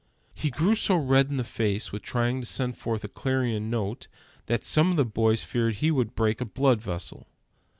He grew so red in the face with trying to send forth a clarion note, that some of the boys feared he would break a blood vessel.